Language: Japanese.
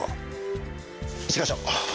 一課長。